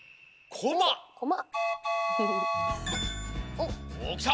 おっきた！